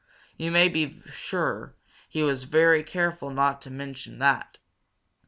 You may be sure he was very careful not to mention that.